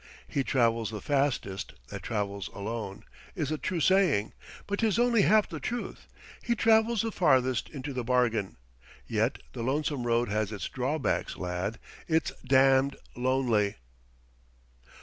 'He travels the fastest that travels alone' is a true saying, but 'tis only half the truth: he travels the farthest into the bargain.... Yet the Lonesome Road has its drawbacks, lad it's damned lonely!"